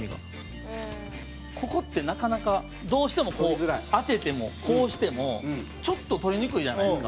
ここって、なかなかどうしても、こう当ててもこうしても、ちょっと取りにくいじゃないですか。